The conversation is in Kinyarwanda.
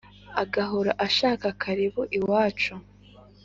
agahora ashaka karibu iwacu